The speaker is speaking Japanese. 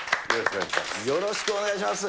よろしくお願いします。